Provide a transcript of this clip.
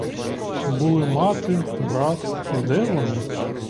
Були мати, брат — де вони?